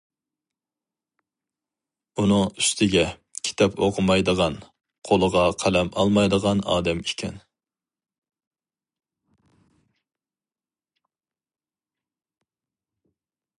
ئۇنىڭ ئۈستىگە كىتاب ئوقۇمايدىغان، قولىغا قەلەم ئالمايدىغان ئادەم ئىكەن.